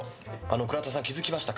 倉田さん、気づきましたか？